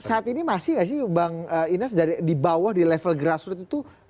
tapi saat ini masih gak sih bang inas dibawah di level grassroot itu